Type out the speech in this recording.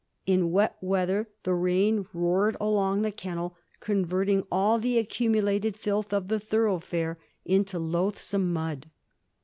In wet weather the ram roared along the kennel^ converting all the accumulated filth of the thoroughfare into loathsome mud.